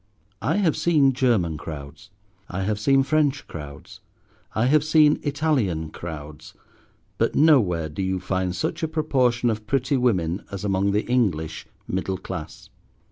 I have seen German crowds, I have seen French crowds, I have seen Italian crowds; but nowhere do you find such a proportion of pretty women as among the English middle class.